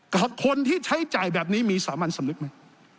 กับคนที่ใช้จ่ายแบบนี้มีสามัญสำนึกไหม